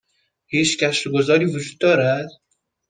هیچ گشت و گذاری وجود دارد؟